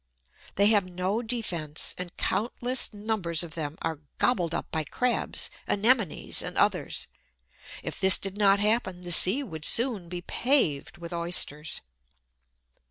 They have no defence, and countless numbers of them are gobbled up by crabs, anemones, and others. If this did not happen, the sea would soon be paved with Oysters.